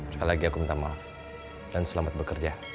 sekali lagi aku minta maaf dan selamat bekerja